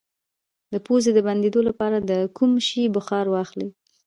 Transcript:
د پوزې د بندیدو لپاره د کوم شي بخار واخلئ؟